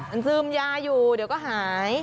มันซึมยาอยู่เดี๋ยวก็หาย